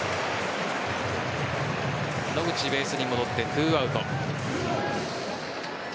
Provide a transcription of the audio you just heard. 野口ベースに戻って２アウト。